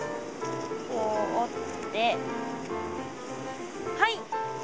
こう折ってはい。